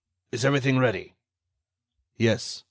Is everything ready?" "Yes."